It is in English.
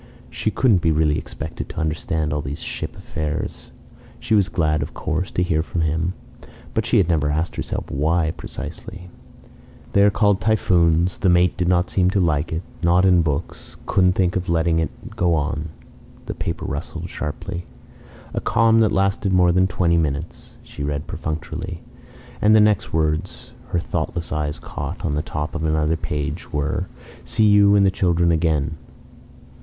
She couldn't be really expected to understand all these ship affairs. She was glad, of course, to hear from him, but she had never asked herself why, precisely. "... They are called typhoons ... The mate did not seem to like it ... Not in books ... Couldn't think of letting it go on. ..." The paper rustled sharply. ".... A calm that lasted more than twenty minutes," she read perfunctorily; and the next words her thoughtless eyes caught, on the top of another page, were: "see you and the children again.